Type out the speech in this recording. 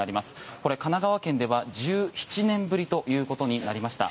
これ、神奈川県では１７年ぶりということになりました。